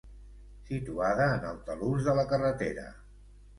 Situada en el talús de la carretera.